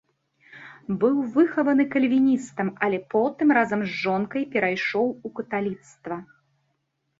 Быў выхаваны кальвіністам, але потым разам з жонкай перайшоў у каталіцтва.